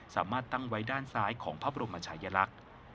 สามารถตั้งไว้ด้านซ้ายของพระบรมชายลักษณ์